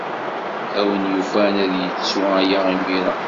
A win yufan ad yettu aya imir-a.